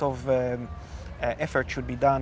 di mana banyak usaha harus dilakukan